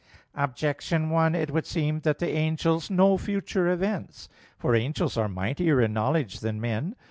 Objection 1: It would seem that the angels know future events. For angels are mightier in knowledge than men.